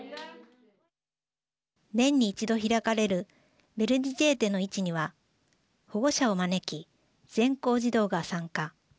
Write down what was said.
年に一度開かれるベルディジェーテの市には保護者を招き、全校児童が参加。